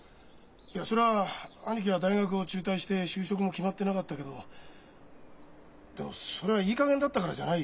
いやそりゃ兄貴は大学を中退して就職も決まってなかったけどでもそれはいいかげんだったからじゃないよ。